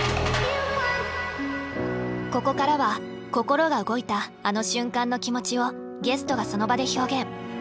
ここからは心が動いたあの瞬間の気持ちをゲストがその場で表現。